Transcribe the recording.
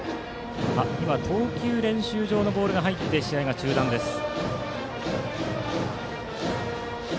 今、投球練習場のボールが入って試合が中断しました。